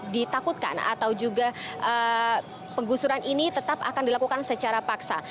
ditakutkan atau juga penggusuran ini tetap akan dilakukan secara paksa